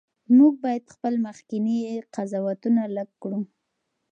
موږ باید خپل مخکني قضاوتونه لږ کړو.